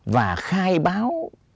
và khai báo